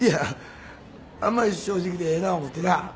あんまり正直でええな思てな。